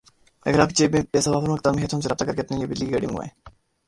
اگر آپ کی جیب میں پیسہ وافر مقدار میں ھے تو ہم سے رابطہ کرکے اپنی لئے بجلی کی گڈی منگوائیں